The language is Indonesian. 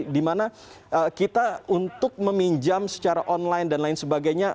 dimana kita untuk meminjam secara online dan lain sebagainya